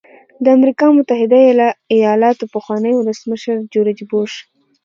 د امریکا متحده ایالاتو پخواني ولسمشر جورج بوش.